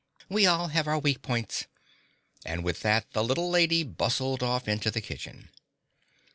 "We all have our weak points." And with that the little lady bustled off into the kitchen.